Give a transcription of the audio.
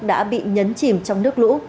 đã bị nhấn chìm trong nước lũ